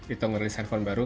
itu ngerilis handphone baru